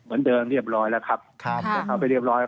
เหมือนเดิมเรียบร้อยแล้วครับเดินเข้าไปเรียบร้อย